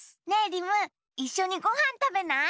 リムいっしょにごはんたべない？